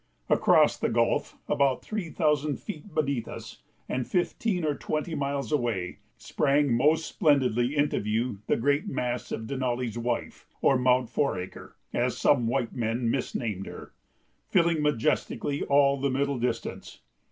Across the gulf, about three thousand feet beneath us and fifteen or twenty miles away, sprang most splendidly into view the great mass of Denali's Wife, or Mount Foraker, as some white men misname her, filling majestically all the middle distance.